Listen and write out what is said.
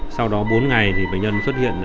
sau đó bốn ngày thì bệnh nhân xuất hiện